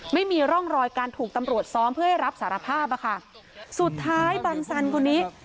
ไม่มีร่องรอยการถูกตำรวจซ้อมเพื่อให้รับสารภาพอะค่ะสุดท้ายบังสันคนนี้